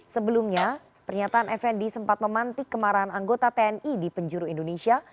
sebelumnya pernyataan fnd sempat memantik kemarahan anggota tni di penjuru indonesia